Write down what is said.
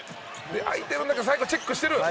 相手、最後チェックしてる。